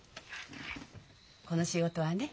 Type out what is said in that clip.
この仕事はね